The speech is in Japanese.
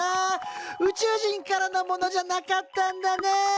宇宙人からのものじゃなかったんだね。